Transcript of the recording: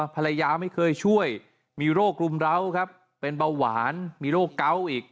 ภรรยาไม่เคยช่วยมีโรครุมร้าวครับเป็นเบาหวานมีโรคเกาะอีก